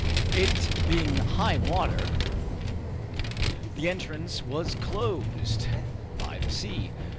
It being high water, the entrance was closed by the sea.